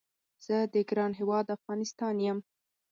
زه د ګران هیواد افغانستان یم